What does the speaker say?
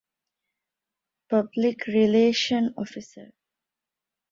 ޕަބްލިކްރިލޭޝަން އޮފިސަރ